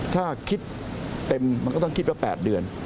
ถ้าคิดเต็มมันก็ต้องคิดว่า๘เดือน